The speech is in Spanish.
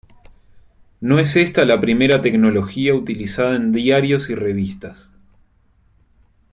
No es esta la primera tecnología utilizada en diarios y revistas.